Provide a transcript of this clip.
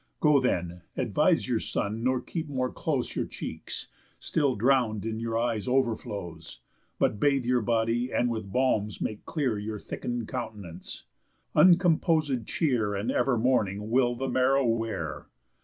Go then, advise your son, nor keep more close Your cheeks, still drown'd in your eyes' overflows, But bathe your body, and with balms make clear Your thicken'd count'nance. _Uncomposéd cheer, And ever mourning, will the marrow wear.